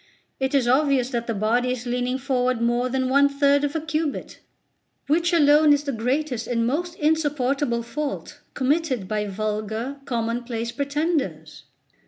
It is obvious that the body is leaning forward more than one third of a cubit, which alone is the greatest and most insupportable fault committed by vulgar commonplace pretenders.